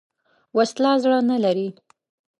وسله زړه نه لري